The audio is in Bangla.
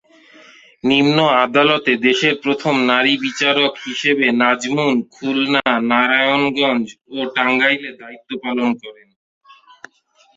নিম্ন আদালতে দেশের প্রথম নারী বিচারক হিসেবে নাজমুন খুলনা, নারায়ণগঞ্জ ও টাঙ্গাইলে দায়িত্ব পালন করেন।